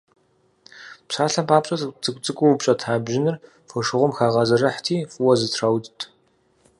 Псалъэм папщӏэ, цӏыкӏу-цӏыкӏуу упщӏэта бжьыныр фошыгъум хагъэзэрыхьти, фӏыуэ зэтраудт.